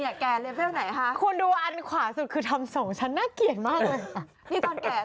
ไม่อยากแก่เลเวลไหนคะคุณดูอันขวาสุดคือทำสองฉันน่าเกลียดมากเลย